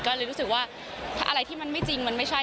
ก็เลยรู้สึกว่าถ้าอะไรที่มันไม่จริงมันไม่ใช่